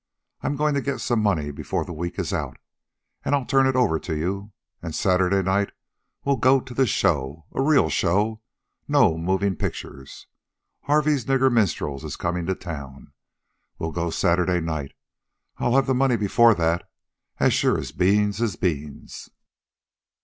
I'm goin' to get some money before the week is out. An' I'll turn it over to you. An' Saturday night we'll go to the show a real show, no movin' pictures. Harvey's nigger minstrels is comin' to town. We'll go Saturday night. I'll have the money before that, as sure as beans is beans."